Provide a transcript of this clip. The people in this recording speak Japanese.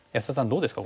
どうですか